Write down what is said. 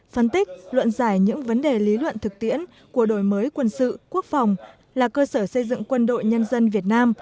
phân tích luận giải những vấn đề lý luận thực tiễn của đổi mới quân sự quốc phòng là cơ sở xây dựng quân đội nhân dân việt nam